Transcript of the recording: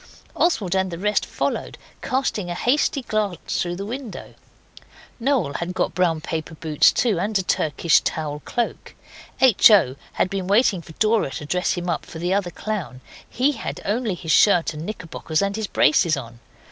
Oswald and the rest followed, casting a hasty glance through the window. Noel had got brown paper boots too, and a Turkish towel cloak. H. O. had been waiting for Dora to dress him up for the other clown. He had only his shirt and knickerbockers and his braces on.